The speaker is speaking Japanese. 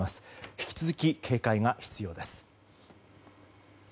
引き続き警戒が必要です。